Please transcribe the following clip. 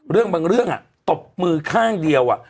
เรื่องบางเรื่องตบมือข้างเดียว